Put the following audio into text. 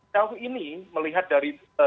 tahun ini melihat dari